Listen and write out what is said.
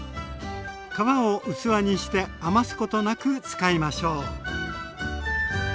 皮を器にして余すことなく使いましょう。